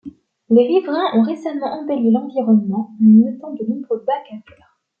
Les riverains ont récemment embelli l'environnement en y mettant de nombreux bacs à fleurs.